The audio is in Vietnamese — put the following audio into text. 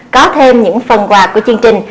có thêm những phần quà của chương trình